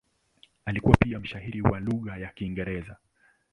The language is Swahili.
Alikuwa pia mshairi wa lugha ya Kiingereza.